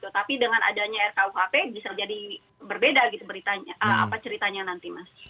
tapi dengan adanya rkuhp bisa jadi berbeda gitu ceritanya nanti mas